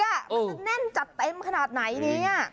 มันจะแน่นจัดเต็มขนาดไหนเนี่ย